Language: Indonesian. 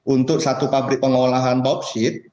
untuk satu pabrik pengolahan bau boksit